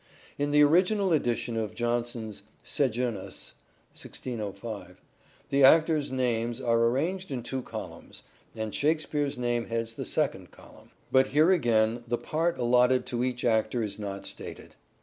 " In the original edition of Jonson's 'Sejanus' (1605) the actors' names are arranged in two columns, and Shakespeare's name heads the second column. ... But here again the part allotted to each actor is not stated."